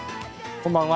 こんばんは。